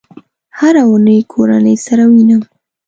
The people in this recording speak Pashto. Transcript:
هره اونۍ کورنۍ سره وینم